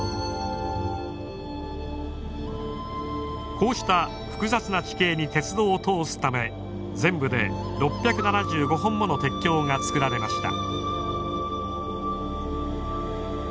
こうした複雑な地形に鉄道を通すため全部で６７５本もの鉄橋が造られました。